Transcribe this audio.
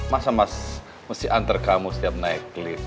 masa mas mesti antar kamu setiap naik